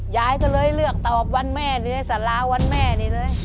ยายก็เลยเลือกตอบวันแม่เลยสาราวันแม่นี่เลย